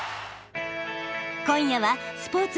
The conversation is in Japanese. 今夜はスポーツ